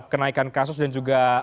kenaikan kasus dan juga